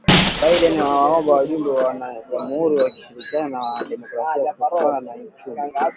Biden awaomba wajumbe wa wanajamuhuri kushirikiana na Wademokrasia kuokoa uchumi